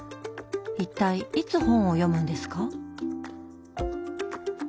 一体いつ本を読むんですか？